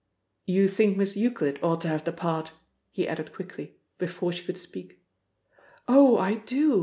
"You think Miss Euclid ought to have the part," he added quickly, before she could speak. "Oh, I do!"